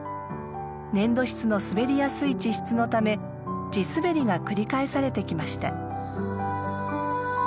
粘土質の滑りやすい地質のため地すべりが繰り返されてきました。